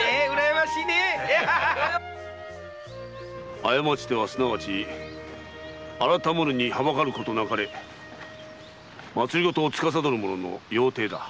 「過ちてはすなわち改むるにはばかることなかれ」政を司る者の要諦だ。